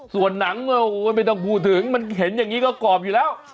ส่วนหนังไม่ต้องพูดถึงมันเห็นอย่างนี้ก็กรอบอยู่แล้ว